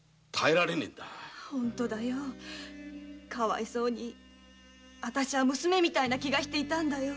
本当だよわたしは娘みたいな気がしていたんだよ。